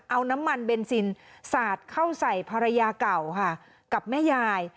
เอาน้ำมันเบนซินสาดเข้าใส่ภรรยาเก่าค่ะกับแม่ยาย